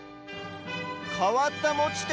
かわったもちて。